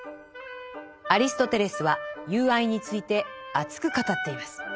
アリストテレスは「友愛」について熱く語っています。